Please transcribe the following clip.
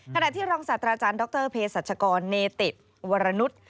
ขณะที่รองศาสตราจารย์ดรเพศรัชกรเนติวรนุษย์